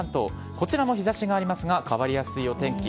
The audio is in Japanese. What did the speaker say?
こちらも日差しがありますが変わりやすいお天気。